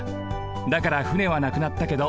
だから船はなくなったけど